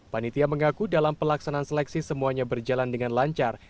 panitia mengaku dalam pelaksanaan seleksi semuanya berjalan dengan lancar